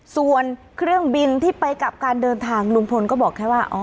ส่วนเครื่องบินที่ไปกับการเดินทางลุงพลก็บอกแค่ว่า